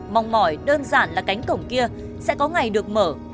mong mỏi đơn giản là cánh cổng kia sẽ có ngày được mở